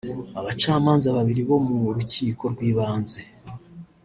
abacamanza babiri bo mu rukiko rw’ibanze